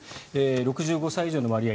６５歳以上の割合